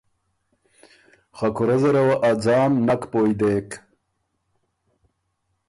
خه کُورۀ زره وه ا ځان نک پویٛ دېک